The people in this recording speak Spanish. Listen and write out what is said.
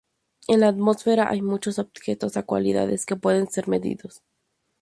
En la atmósfera, hay muchos objetos o cualidades que pueden ser medidos.